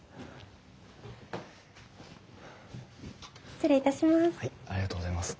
失礼いたします。